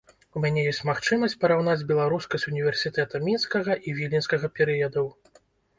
У мяне ёсць магчымасць параўнаць беларускасць універсітэта мінскага і віленскага перыядаў.